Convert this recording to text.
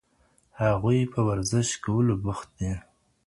هغوی په ورزش کولو بوخت دي.